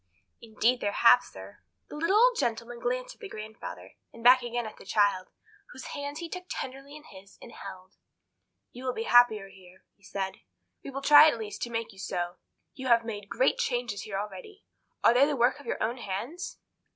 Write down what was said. "Indeed there have, sir." The little old gentleman glanced at the grandfather, and back again at the child, whose hand he took tenderly in his and held. "You will be happier here," he said, "We will try, at least, to make you so. You have made great changes here already. Are they the work of your hands?"